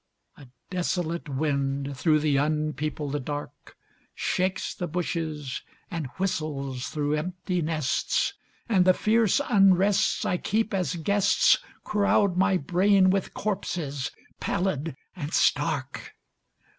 A desolate wind, through the unpeopled dark, Shakes the bushes and whistles through empty nests, And the fierce unrests I keep as guests Crowd my brain with corpses, pallid and stark.